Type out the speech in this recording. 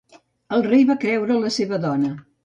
El rei va creure la seva dona.